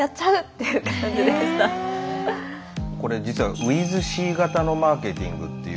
これ実はｗｉｔｈＣ型のマーケティングっていう。